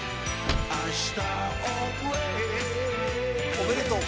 おめでとう。